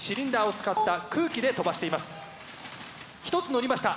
１つのりました。